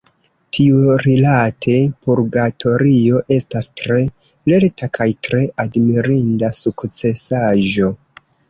Tiurilate, Purgatorio estas tre lerta kaj tre admirinda sukcesaĵo.